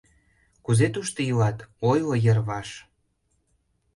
— Кузе тушто илат, ойло, йырваш...